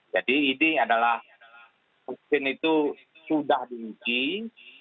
jadi ini adalah vaksin itu sudah diunggih